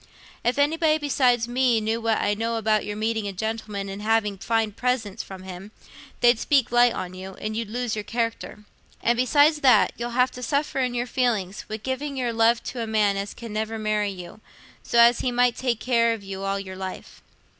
If anybody besides me knew what I know about your meeting a gentleman and having fine presents from him, they'd speak light on you, and you'd lose your character. And besides that, you'll have to suffer in your feelings, wi' giving your love to a man as can never marry you, so as he might take care of you all your life."